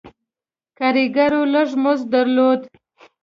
کارګرو لږ مزد درلود.